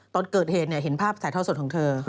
ตอนเกิดเหตุเห็นภาพถ่ายท่อสดของเธอ